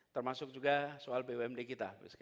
termasuk juga soal bumd kita